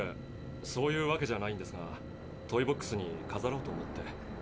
そういうわけじゃないんですがトイボックスにかざろうと思って。